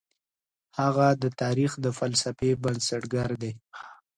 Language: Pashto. هغه د تاريخ د فلسفې بنسټګر دی.